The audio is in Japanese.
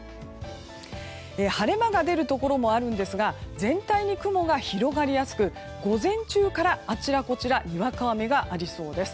晴れ間が出るところもあるんですが全体に雲が広がりやすく午前中からあちらこちらでにわか雨がありそうです。